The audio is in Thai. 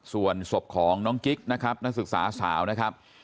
ส่วนศพของน้องกิ๊กนะครับนักศึกษาสาวนะครับ